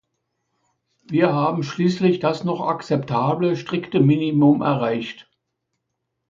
Wir haben schließlich das noch akzeptable strikte Minimum erreicht.